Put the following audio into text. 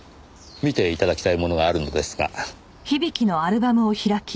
見て頂きたいものがあるのですが。